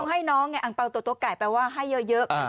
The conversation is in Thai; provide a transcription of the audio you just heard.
ให้น้องไงอังเปล่าตัวไก่แปลว่าให้เยอะ